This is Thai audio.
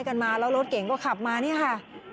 แล้วรถเก่งก็ขับมานี่ค่ะ